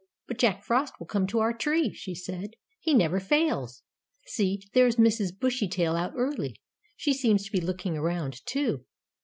"But Jack Frost will come to our tree," she said. "He never fails. See, there's Mrs. Bushytail out early. She seems to be looking around, too.